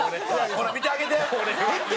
ほら見てあげて！